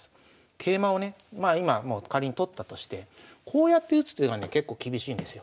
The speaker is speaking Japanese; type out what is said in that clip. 桂馬をねまあ今もう仮に取ったとしてこうやって打つ手がね結構厳しいんですよ。